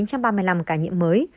trong đó ba mươi bốn ca nhiễm mới